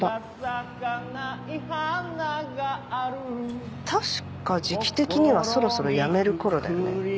咲かない花がある確か時期的にはそろそろやめる頃だよね。